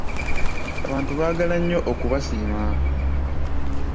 Abantu baagala nnyo okubasiima.